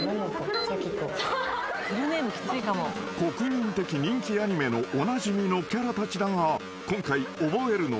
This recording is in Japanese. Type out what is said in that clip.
［国民的人気アニメのおなじみのキャラたちだが今回覚えるのはフルネーム］